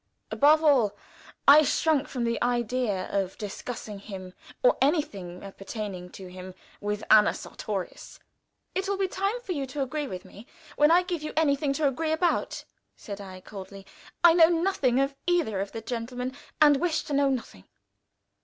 Above all, I shrunk from the idea of discussing him, or anything pertaining to him, with Anna Sartorius. "It will be time for you to agree with me when I give you anything to agree about," said I, coldly. "I know nothing of either of the gentlemen, and wish to know nothing."